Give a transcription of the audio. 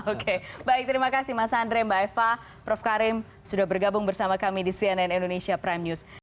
oke baik terima kasih mas andre mbak eva prof karim sudah bergabung bersama kami di cnn indonesia prime news